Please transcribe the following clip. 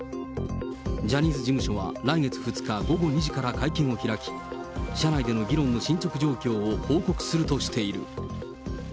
ジャニーズ事務所は来月２日午後２時から会見を開き、社内での議論の進捗状況を報告するとしている。